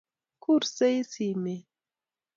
kursei simet